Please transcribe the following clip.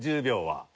１０秒は。